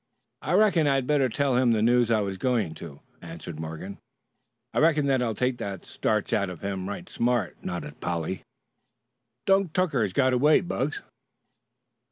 "I reckon I'd better tell him the news I was going to," answered Morgan. "I reckon that'll take the starch out of him right smart," nodded Polly. "Dunk Tucker has got away, Bugs."